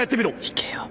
行けよ。